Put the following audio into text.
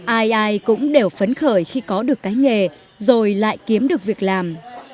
ai ai cũng đều phấn khởi khi có được cái nghề rồi lại kiếm được việc làm